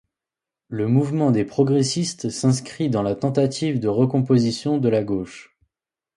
Le Mouvement des progressistes s'inscrit dans la tentative de recomposition de la gauche.